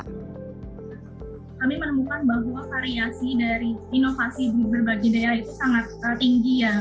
kami menemukan bahwa variasi dari inovasi di berbagai daerah itu sangat tinggi ya